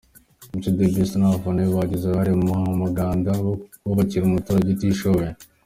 Mico The Best n'abafana be bagize uruhare mu muganda, bubakira umuturage utishoboye.